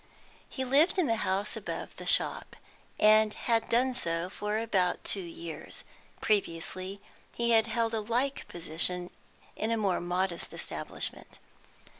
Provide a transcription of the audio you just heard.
He lived in the house above the shop, and had done so for about two years; previously he had held a like position in a more modest establishment.